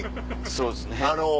そうですね。